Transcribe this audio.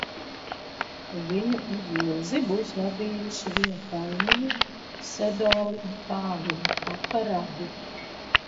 Viņu uz Ilzi būs vadījuši viņa kaimiņi, Sedoli un Pāvili, papa radi.